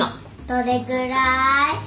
どれぐらい？